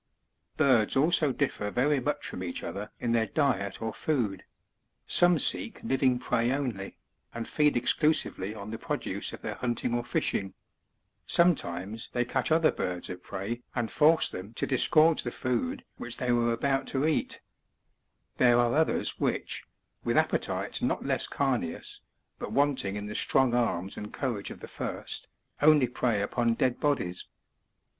15. Birds also differ very much from each other in their diet or food ; some seek living prey only, and feed exclusively on the produce of their hunting or fishing; sometimes they catch other birds of prey and force them to disgorge the food which they were about to eat There are others which, with appetites not less carneous, but wanting in the strong arms and courage c^ tte first, only prey upon dead bodies.